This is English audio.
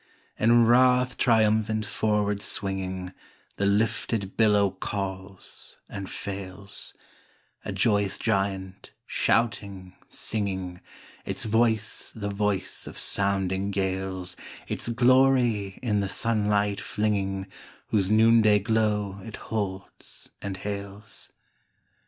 In wrath triumphant forward swinging, The lifted billow calls, and fails,A joyous giant, shouting, singing, Its voice the voice of sounding gales, Its glory in the sunlight flingingWhose noonday glow it holds and hails.